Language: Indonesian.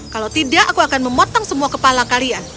kalau tidak aku akan memotong semua kepala kalian